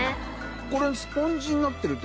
これスポンジになってるって？